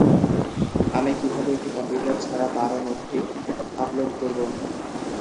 আমি কিভাবে একটি কম্পিউটার ছাড়া বারো নথি আপলোড করব?